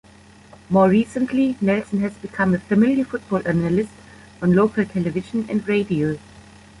More recently, Nelson has become a familiar football analyst on local television and radio.